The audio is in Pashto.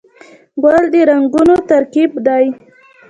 ګل د رنګونو ترکیب دی.